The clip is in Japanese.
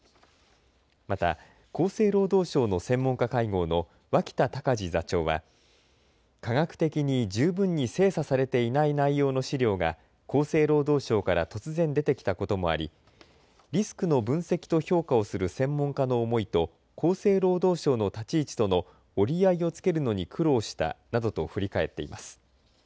また厚生労働省の専門家会合の脇田隆字座長は科学的に十分に精査されていない内容の資料が厚生労働省から突然出てきたこともあり、リスクの分析と評価をする専門家の思いと厚生労働省の立ち位置との折り合いをつけるのに苦労したなどと振り返っています。